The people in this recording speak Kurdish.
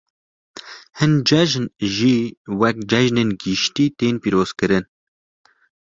Hin cejn, jî weke cejinên giştî tên pîrozkirin.